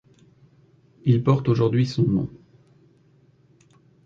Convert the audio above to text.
Il porte aujourd’hui son nom.